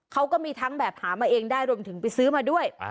เขาก็มีทั้งแบบหามาเองได้รวมถึงไปซื้อมาด้วย